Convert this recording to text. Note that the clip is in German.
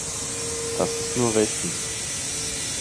Das ist nur rechtens.